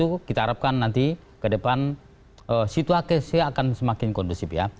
itu kita harapkan nanti ke depan situasinya akan semakin kondusif ya